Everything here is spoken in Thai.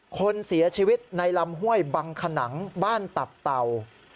คนเสียชีวิตในลำห้วยบังขนังบ้านตับเต่า